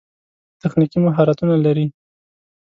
تخنیکي مهارتونه لري.